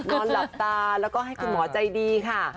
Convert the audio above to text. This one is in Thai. นอนหลับตาแล้วก็ให้คุณหมอใจดีค่ะ